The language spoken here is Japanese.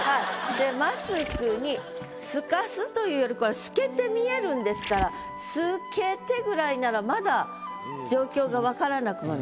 で「マスクに」透かすというよりこれ透けて見えるんですから「透けて」ぐらいならまだ状況がわからなくもない。